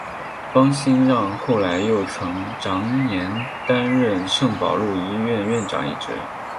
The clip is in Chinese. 方心让后来又曾长年担任圣保禄医院院长一职。